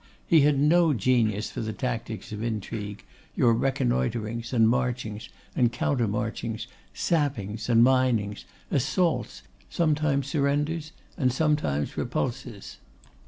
He had no genius for the tactics of intrigue; your reconnoiterings, and marchings, and countermarchings, sappings, and minings, assaults, sometimes surrenders, and sometimes repulses.